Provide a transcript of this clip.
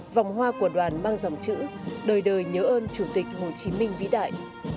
vòng hoa của đoàn mang dòng chữ đời đời nhớ ơn chủ tịch hồ chí minh vĩ đại